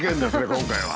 今回は。